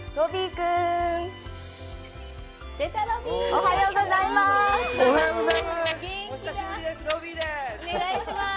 おはようございます！